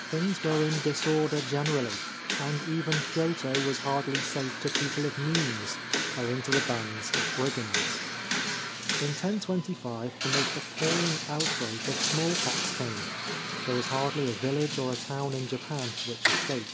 Things were in disorder generally, and even Kyoto was hardly safe to people of means, owing to the bands of brigands. In 1025 the most appalling outbreak of smallpox came ; there was hardly a village or a town in Japan which escaped.